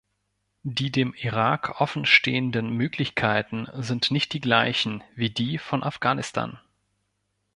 Die dem Irak offen stehenden Möglichkeiten sind nicht die gleichen wie die von Afghanistan.